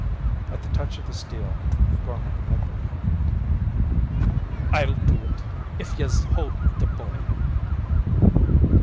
At the touch of the steel, Gorman whimpered. "I'll do ut, if yez'll hold the b'y."